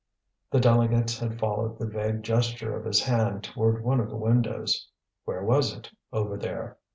The delegates had followed the vague gesture of his hand toward one of the windows. Where was it, over there?